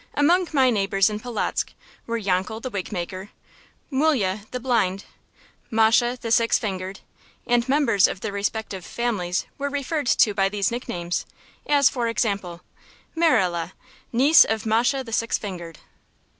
Among my neighbors in Polotzk were Yankel the Wig maker, Mulye the Blind, Moshe the Six fingered; and members of their respective families were referred to by these nicknames: as, for example, "Mirele, niece of Moshe the Six fingered."